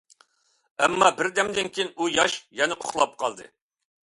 ئەمما بىردەمدىن كېيىن ئۇ ياش يەنە ئۇخلاپ قالدى.